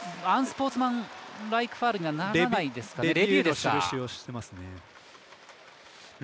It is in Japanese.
アンスポーツマンライクファウルにはならないですかね。